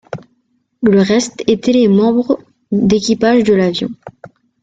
Le reste était les membres d'équipage de l'avion.